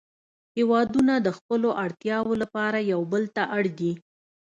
هیوادونه د خپلو اړتیاوو لپاره یو بل ته اړ دي